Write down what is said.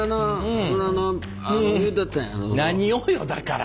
何をよだから。